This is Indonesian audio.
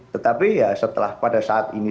tetapi ya setelah pada saat ini